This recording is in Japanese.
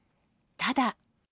ただ。